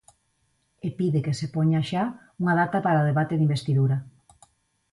E pide que se poña xa unha data para o debate de investidura.